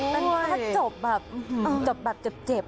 ถ้าจบแบบจะเจ็บค่ะ